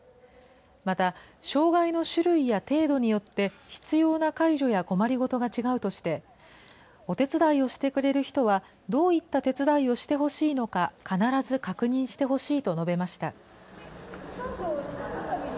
また、障害の種類や程度によって、必要な介助や困りごとが違うとして、お手伝いをしてくれる人はどういった手伝いをしてほしいのか必ず確認してほしいと述べました。